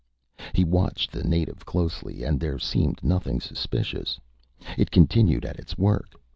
He watched the native closely and there seemed nothing suspicious. It continued at its work.